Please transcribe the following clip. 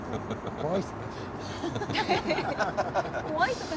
怖い人たちだった。